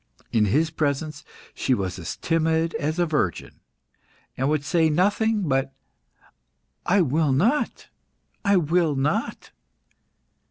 In his presence, she was as timid as a virgin, and would say nothing but "I will not! I will not!"